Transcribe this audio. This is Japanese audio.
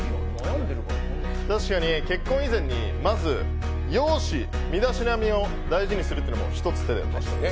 確かに結婚以前にまず容姿、身だしなみを大事にするってのも一つ手だよね。